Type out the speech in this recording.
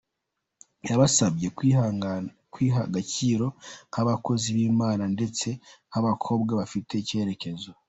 Yabasabye kwiha agaciro nk'abakozi b'Imana ndetse nk'abakobwa bafite icyerekezo.